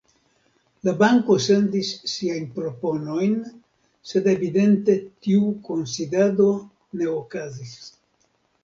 La banko sendis siajn proponojn, sed evidente tiu kunsidado ne okazis.